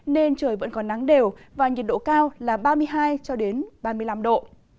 nên trời vẫn còn nắng đều và nhiệt độ cao là ba mươi hai ba mươi năm độ